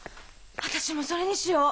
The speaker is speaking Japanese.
私もそれにしよう。